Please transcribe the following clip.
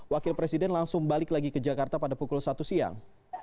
wakil presiden langsung balik lagi ke jakarta pada pukul satu siang